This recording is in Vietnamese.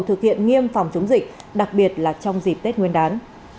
thực hiện nghiêm phòng chống dịch đặc biệt là trong dịp tết nguyên đán